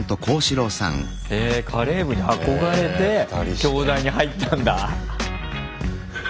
へぇカレー部に憧れて京大に入ったんだ！